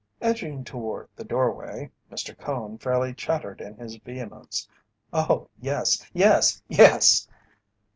Edging toward the doorway, Mr. Cone fairly chattered in his vehemence: "Oh, yes yes yes!"